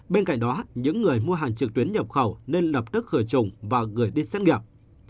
bên cạnh đó những người mua hàng trực tuyến nhập khẩu nên lập tức khử trùng và gửi đi xét nghiệm